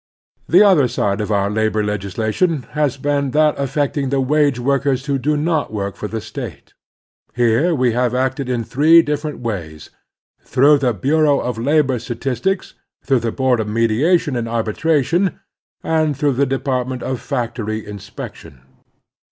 The other side of our labor legislation has been that affecting the wage workers who do not work for the State. Here we have acted in three dif ferent ways : through the Btu'eau of Labor Statis tics, through the Board of Mediation and Arbitra tion, and through the Department of Factory Inspection.